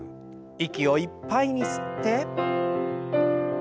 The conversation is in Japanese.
息をいっぱいに吸って。